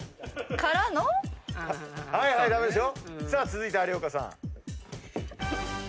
続いて有岡さん。